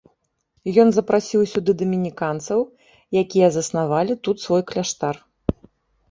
Ён запрасіў сюды дамініканцаў, які заснавалі тут свой кляштар.